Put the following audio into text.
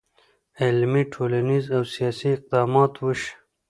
علمي، ټولنیز، او سیاسي اقدامات وشي.